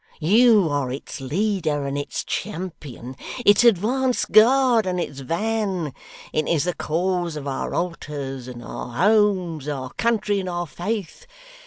You are its leader and its champion, its advanced guard and its van. It is the cause of our altars and our homes, our country and our faith.